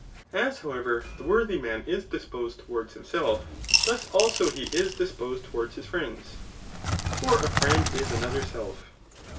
As, however, the worthy man is disposed towards himself thus also he is disposed towards his friend ; for a friend is another self.